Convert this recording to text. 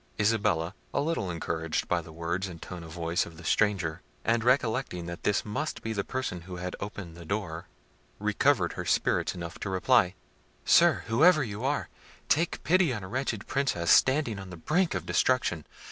Isabella, a little encouraged by the words and tone of voice of the stranger, and recollecting that this must be the person who had opened the door, recovered her spirits enough to reply— "Sir, whoever you are, take pity on a wretched Princess, standing on the brink of destruction.